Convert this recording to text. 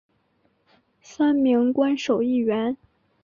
三名官守议员。